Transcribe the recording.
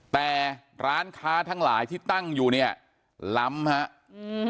แต่ร้านค้าทั้งหลายที่ตั้งอยู่เนี่ยล้ำฮะอืม